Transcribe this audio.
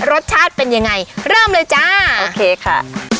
รสชาติเป็นยังไงเริ่มเลยจ้าโอเคค่ะ